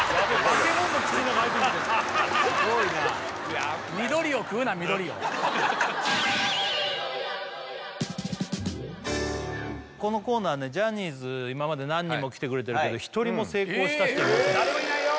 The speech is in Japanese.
すごいな緑を食うな緑をこのコーナーねジャニーズ今まで何人も来てくれてるけど１人も成功した人いません誰もいないよ